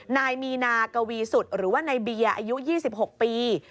นายมีนากวีสุดหรือว่าในเบียร์อายุ๒๖ปี